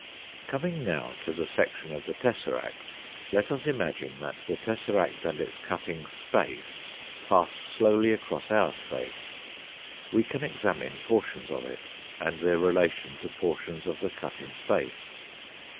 Coming now to the section of the tesseract, let us imagine that the "tesseract and its cutting space pass slowly across our space ; we can examine portions of it, and their relation to portions of tlie cutting space.